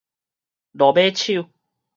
落尾手